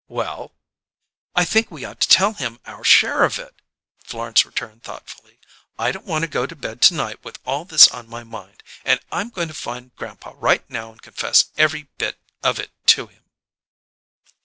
"Well?" "I think we ought to tell him our share of it," Florence returned thoughtfully. "I don't want to go to bed to night with all this on my mind, and I'm going to find grandpa right now and confess every bit of it to him."